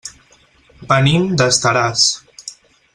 Venim d'Estaràs.